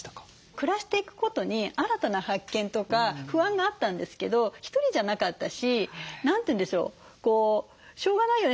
暮らしていくことに新たな発見とか不安があったんですけど一人じゃなかったし何て言うんでしょうしょうがないよね